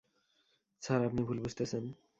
Sir, আপনি ভুল বুঝতেছেন।